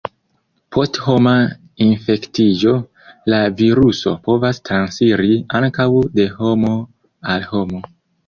Post homa infektiĝo, la viruso povas transiri ankaŭ de homo al homo.